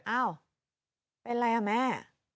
อ้าวเป็นอะไรอ่ะแม่